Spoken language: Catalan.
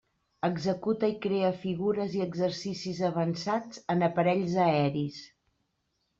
Executa i crea figures i exercicis avançats en aparells aeris.